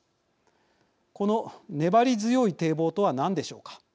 この粘り強い堤防とは何でしょうか。